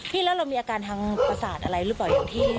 พี่แล้วเรามีอาการทางประสาทอะไรรึเปล่าอยู่ที่